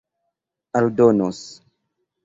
aldonos